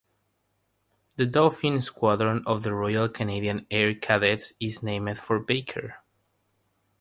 The Dauphin squadron of the Royal Canadian Air Cadets is named for Barker.